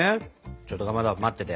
ちょっとかまど待ってて。